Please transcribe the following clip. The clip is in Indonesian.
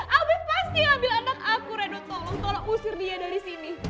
afif pasti ambil anak aku reno tolong tolong usir dia dari sini